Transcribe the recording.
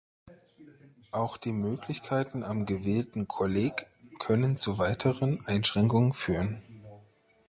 Auch die Möglichkeiten am gewählten Kolleg können zu weiteren Einschränkungen führen.